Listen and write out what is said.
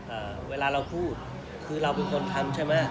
อ่าเวลาเราพูดคือเราเป็นคนทำใช่ไหม